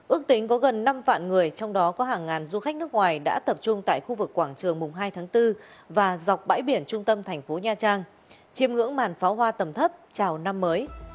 ước tính có gần năm vạn người trong đó có hàng ngàn du khách nước ngoài đã tập trung tại khu vực quảng trường mùng hai tháng bốn và dọc bãi biển trung tâm thành phố nha trang chiêm ngưỡng màn pháo hoa tầm thấp chào năm mới